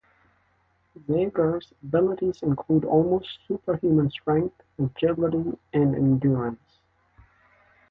Zagor's abilities include almost superhuman strength, agility and endurance.